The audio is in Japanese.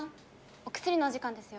お薬のお時間ですよ。